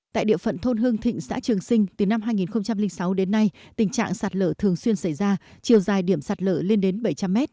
tại địa phận thôn hương thịnh xã trường sinh từ năm hai nghìn sáu đến nay tình trạng sạt lở thường xuyên xảy ra chiều dài điểm sạt lở lên đến bảy trăm linh m